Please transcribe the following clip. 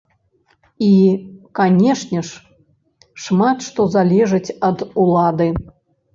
І, канешне ж, шмат што залежыць ад улады.